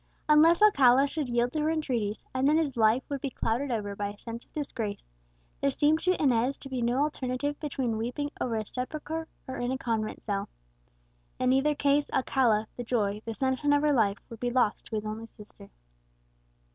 Unless Alcala should yield to her entreaties (and then his life would be clouded over by a sense of disgrace), there seemed to Inez to be no alternative between weeping over a sepulchre or in a convent cell. In either case Alcala, the joy, the sunshine of her life, would be lost to his only sister.